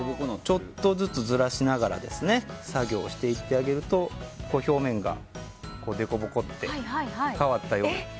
ちょっとずつずらしながら作業していってあげると表面がでこぼこって変わったように。